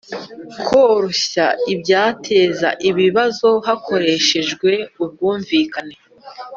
Koroshya ibyateza ibibazo hakoreshejwe ubwumvikana